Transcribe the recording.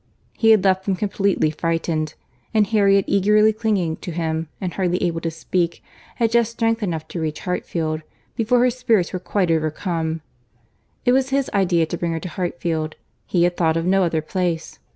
He had left them completely frightened; and Harriet eagerly clinging to him, and hardly able to speak, had just strength enough to reach Hartfield, before her spirits were quite overcome. It was his idea to bring her to Hartfield: he had thought of no other place.